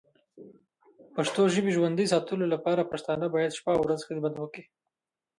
پښتو ژبی ژوندی ساتلو لپاره پښتانه باید شپه او ورځ خدمت وکړې.